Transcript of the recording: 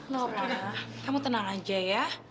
nopa kamu tenang aja ya